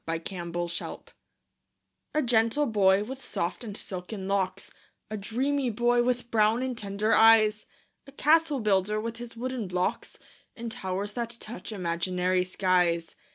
THE CASTLE BUILDER A gentle boy, with soft and silken locks A dreamy boy, with brown and tender eyes, A castle builder, with his wooden blocks, And towers that touch imaginary skies.